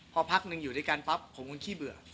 พอพักหนึ่งอยู่ด้วยกันปั๊บผมก็ขี้เบื่อ